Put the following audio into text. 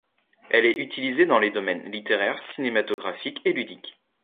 Elle est utilisée dans les domaines littéraires, cinématographies et ludiques.